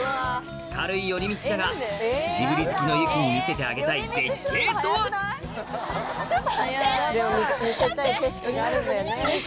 軽い寄り道だがジブリ好きのゆきに見せてあげたいハハっ！